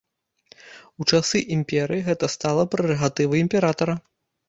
У часы імперыі гэта стала прэрагатывай імператара.